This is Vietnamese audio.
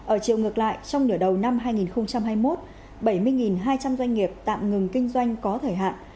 ở chiều ngược lại trong nửa đầu năm hai nghìn hai mươi một bảy mươi hai trăm linh doanh nghiệp tạm ngừng kinh doanh có thời hạn